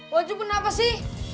wak jum kenapa sih